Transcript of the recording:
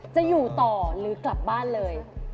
จะอยู่ต่อหรือกลับบ้านเลย